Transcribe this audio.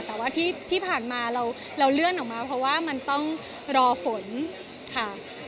แต่ว่าที่ผ่านมาเราเลื่อนออกมาเพราะว่ามันต้องรอฝนค่ะ